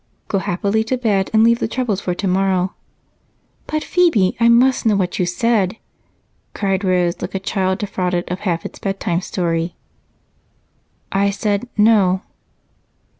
Go happily to bed, and leave the troubles for tomorrow." "But, Phebe, I must know what you said," cried Rose, like a child defrauded of half its bedtime story. "I said, 'No.'"